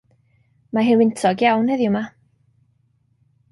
Mae hi'n wyntog iawn heddiw 'ma.